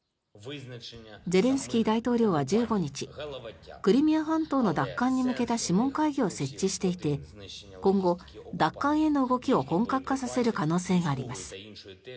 ゼレンスキー大統領は１５日クリミア半島の奪還に向けた諮問会議を設置していて今後、奪還への動きを本格化させる可能性があります。